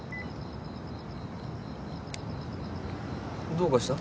☎どうかした？